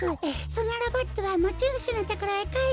そのロボットはもちぬしのところへかえしてあげて。